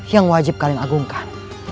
yang wajib kalian agungkan